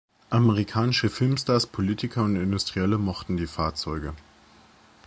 Amerikanische Filmstars, Politiker und Industrielle mochten die Fahrzeuge.